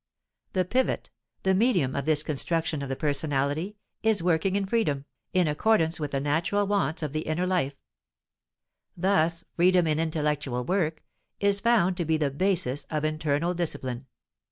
The pivot, the medium of this construction of the personality, is working in freedom, in accordance with the natural wants of the inner life; thus freedom in intellectual work is found to be the basis of internal discipline.